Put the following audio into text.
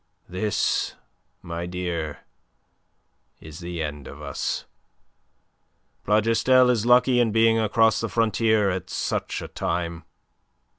"This, my dear, is the end of us. Plougastel is lucky in being across the frontier at such a time.